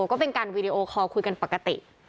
ก็เป็นการวีดีโอคอลคุยกันปกติ